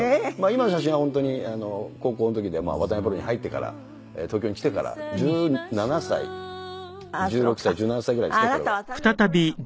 今の写真は本当に高校の時で渡辺プロに入ってから東京に来てから１７歳１６歳１７歳ぐらいですかこれは。あなた渡辺プロだもんね。